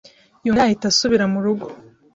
yumva yahita asubira mu rugo